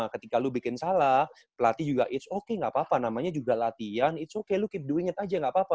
ketika lu bikin salah pelatih juga it s okay gak apa apa namanya juga latihan it s okay lu keep doing it aja gak apa apa